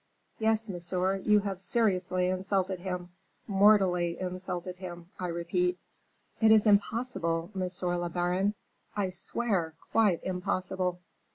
Yes, monsieur, you have seriously insulted him, mortally insulted him, I repeat." "It is impossible, monsieur le baron, I swear, quite impossible."